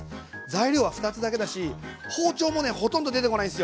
材料は２つだけだし包丁もねほとんど出てこないんすよ！